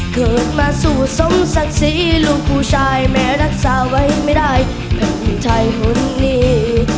คืนมาสู่สมศักดิ์ศรีลูกผู้ชายแม้รักษาไว้ไม่ได้กับชายคนนี้